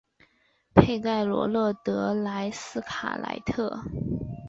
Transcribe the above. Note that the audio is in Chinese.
佩盖罗勒德莱斯卡莱特。